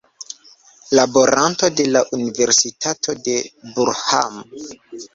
Laboranto de la Universitato de Durham.